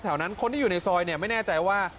นั้นคนที่อยู่ในซอยเนี่ยไม่แน่ใจว่า